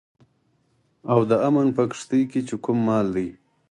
او د امن په کښتئ کې چې کوم مال دی